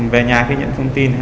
về nhà khi nhận thông tin